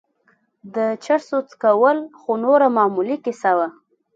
د چرسو څکول خو نوره معمولي کيسه وه.